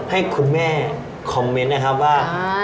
ให้คุณแม่คอมเมนต์นะครับว่า